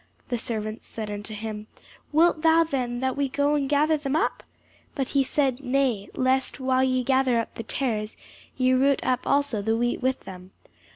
The servants said unto him, Wilt thou then that we go and gather them up? But he said, Nay; lest while ye gather up the tares, ye root up also the wheat with them.